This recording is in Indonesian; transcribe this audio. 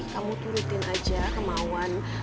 kamu turutin aja kemauan